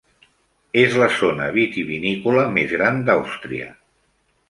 És la zona vitivinícola més gran d'Àustria.